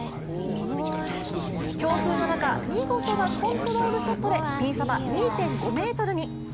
強風の中見事なコントロールショットでピンそば２．５ｍに。